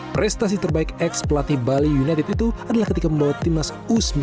prestasi terbaik ex pelatih bali united itu adalah ketika membawa timnas u sembilan belas